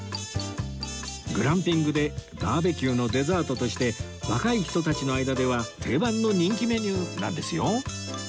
グランピングでバーベキューのデザートとして若い人たちの間では定番の人気メニューなんですよ